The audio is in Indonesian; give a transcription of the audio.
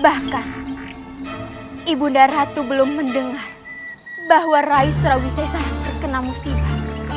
bahkan ibu daratu belum mendengar bahwa rai surawisai sangat terkenal musibah